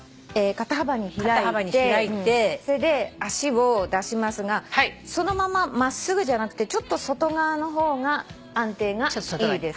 肩幅に開いてそれで足を出しますがそのまま真っすぐじゃなくてちょっと外側の方が安定がいいです。